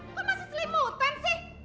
kok masih selimutan sih